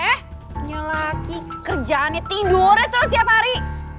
eh punya laki kerjaan ya tidurnya terus tiap hari